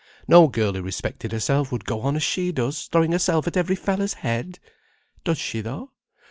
No girl who respected herself would go on as she does, throwing herself at every feller's head. Does she, though?